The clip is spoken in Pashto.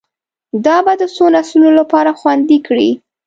دا به د څو نسلونو لپاره خوندي کړي